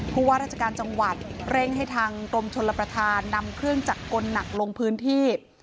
ว่าราชการจังหวัดเร่งให้ทางกรมชลประธานนำเครื่องจักรกลหนักลงพื้นที่